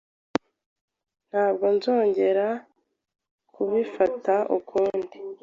Ntabwo nzongera kubifata ukundi.